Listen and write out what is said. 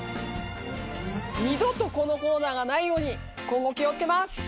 二度とこのコーナーがないように今後気をつけます。